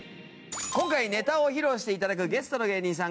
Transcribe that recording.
今回ネタを披露していただくゲストの芸人さん